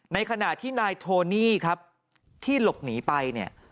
ในขณะที่นายโทนี่ครับที่หลบหนีไปเนี่ย